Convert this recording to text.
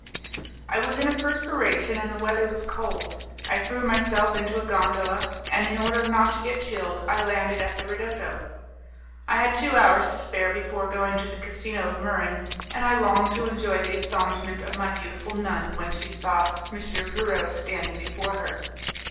I was in a perspiration, and the weather was cold; I threw myself into a gondola, and in order not to get chilled I landed at the 'ridotto'. I had two hours to spare before going to the casino of Muran, and I longed to enjoy the astonishment of my beautiful nun when she saw M. Pierrot standing before her.